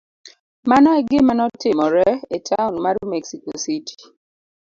Mano e gima notimore e taon mar Mexico City.